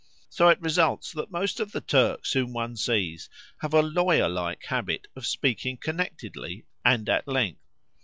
So it results that most of the Turks whom one sees have a lawyer like habit of speaking connectedly, and at length.